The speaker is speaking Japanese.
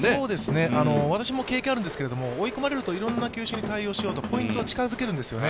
私も経験あるんですけれども、追い込まれるといろんな球種に対応しようとポイントを近づけるんですよね。